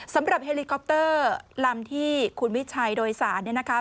สำหรับเฮลิคอปเตอร์ลำที่คุณวิชัยโดยสาร